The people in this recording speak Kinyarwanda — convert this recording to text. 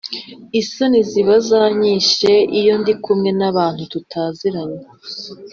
Isoni ziba zanyishe iyo ndikumwe na abantu tutaziranye